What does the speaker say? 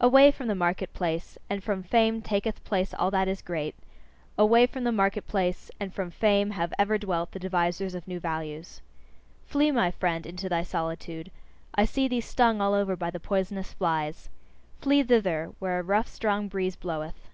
Away from the market place and from fame taketh place all that is great: away from the market place and from fame have ever dwelt the devisers of new values. Flee, my friend, into thy solitude: I see thee stung all over by the poisonous flies. Flee thither, where a rough, strong breeze bloweth!